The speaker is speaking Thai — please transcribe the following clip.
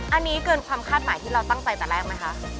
อันนี้เกินความคาดหมายที่เราตั้งใจแต่แรกไหมคะ